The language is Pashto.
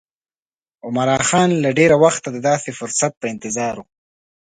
عمرا خان له ډېره وخته د داسې فرصت په انتظار و.